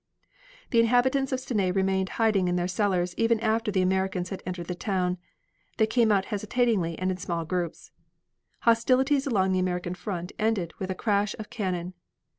The inhabitants of Stenay remained hiding in their cellars even after the Americans had entered the town. They came out hesitatingly and in small groups. Hostilities along the American front ended with a crash of cannon.